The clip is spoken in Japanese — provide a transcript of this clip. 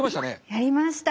やりました。